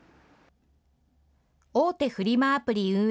大手フリマアプリ運営